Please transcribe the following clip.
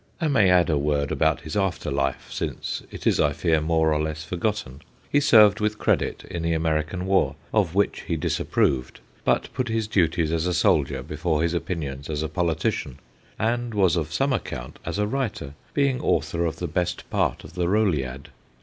I may add a word about his after life, since it is, I fear, more or less forgotten. He served with credit in the American War, of which he disapproved, but put his duties as a soldier before his opinions as a politician, and was of some account as a writer, being author of the FITZPATRIGK 229 best part of the Rolliad.